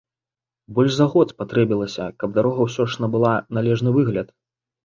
Больш за год спатрэбілася, каб дарога ўсё ж набыла належны выгляд.